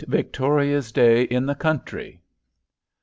VICTORIA'S DAY IN THE COUNTRY.